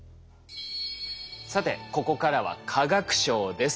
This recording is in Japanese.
さてここからは化学賞です。